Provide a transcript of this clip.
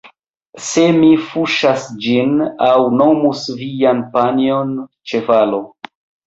Se mi fuŝas ĝin aŭ nomus vian panjon ĉevalo